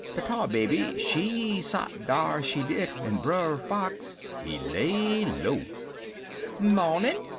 De Tar Baby, she sot dar, she did, en Brer Fox, he lay low. "'Mawnin'!'